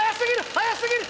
速すぎる！